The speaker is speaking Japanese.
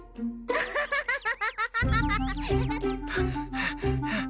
アハハハハ！